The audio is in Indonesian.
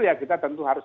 ya kita tentu harus